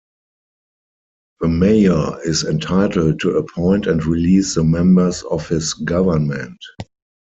The Mayor is entitled to appoint and release the members of his government.